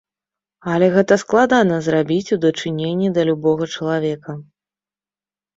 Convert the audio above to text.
Але гэта складана зрабіць у дачыненні да любога чалавека.